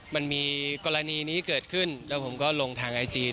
มันมีกรณีนี้เกิดขึ้นแล้วผมก็ลงทางไอจี